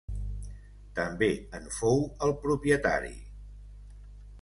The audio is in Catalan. També en fou el propietari.